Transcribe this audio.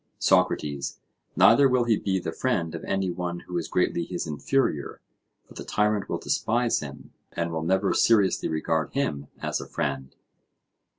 SOCRATES: Neither will he be the friend of any one who is greatly his inferior, for the tyrant will despise him, and will never seriously regard him as a friend.